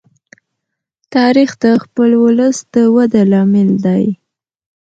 تاریخ د خپل ولس د وده لامل دی.